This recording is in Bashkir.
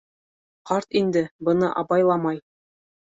Ҡарт инде быны абайламай.